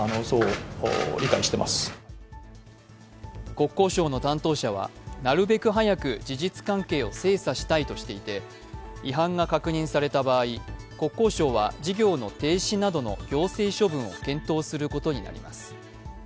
国交省の担当者はなるべく早く事実関係を精査したいとしていて違反が確認された場合、国交省は事業の停止などの行政処分を検討することになります。